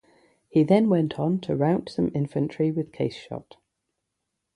He then went on to rout some infantry with case shot.